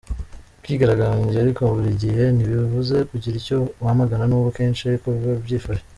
Kwigaragambya ariko buri gihe ntibivuze kugira icyo wamagana, nubwo kenshi ariko biba byifashe.